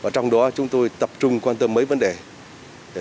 trong đó chúng tôi tập trung quan tâm mấy vấn đề